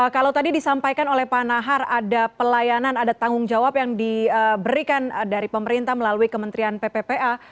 kalau tadi disampaikan oleh pak nahar ada pelayanan ada tanggung jawab yang diberikan dari pemerintah melalui kementerian pppa